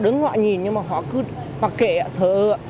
nhưng mà họ cứ hoặc kệ thở ạ